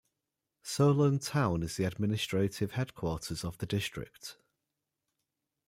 Solan town is the administrative headquarters of the district.